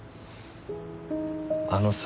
あのさ。